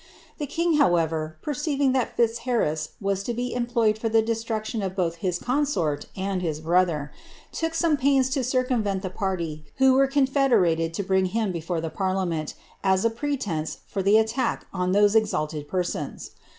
The king, however, perceiving that Fiti harris was to be employed for the destruction of both his consort ind his brother, took some pains to circumvent the party who were euh fedemicd to bring him before the parliament, as a pretence for the atndt on those exalted per^tons.